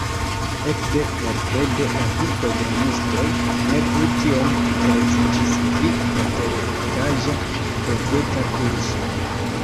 Ekde merkredo la du programistoj ne plu tiom interesiĝis pri la teretaĝa profeta kurso.